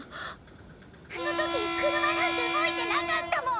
あの時車なんて動いてなかったもん！